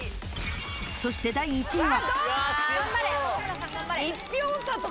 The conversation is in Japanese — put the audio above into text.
そして第１位は。